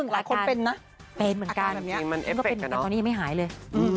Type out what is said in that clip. ละครเป็นนะเป็นเหมือนกันจริงแล้วตอนนี้ไม่หายเลย